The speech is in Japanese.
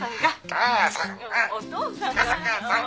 母さん母さん。